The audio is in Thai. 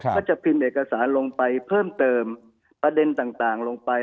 ก็จะพิมพ์เอกสารลงไปเพิ่มเติมประเด็นต่างลงไป